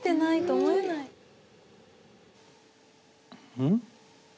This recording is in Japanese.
うん？